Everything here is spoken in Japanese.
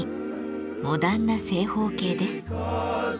モダンな正方形です。